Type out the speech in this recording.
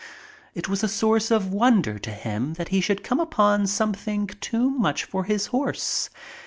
It was a source of wonder to him that he should come upon something too much for his horse.